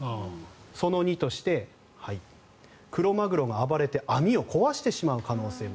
その２としてクロマグロが暴れて網を壊してしまう可能性も。